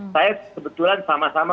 saya kebetulan sama sama